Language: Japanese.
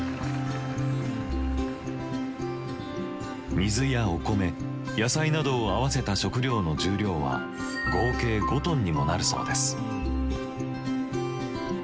水やお米野菜などを合わせた食料の重量は合計５トンにもなるそうです。